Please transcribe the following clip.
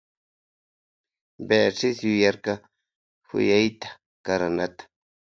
Beatriz yuyarka kuyaylla karanata.